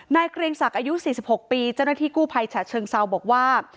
เกรียงศักดิ์อายุ๔๖ปีเจ้าหน้าที่กู้ภัยฉะเชิงเซาบอกว่า